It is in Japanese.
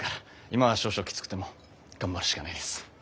今は少々きつくても頑張るしかないです。